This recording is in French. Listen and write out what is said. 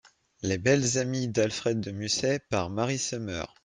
Les belles amies d'Alfred de Musset, par Mary Summer.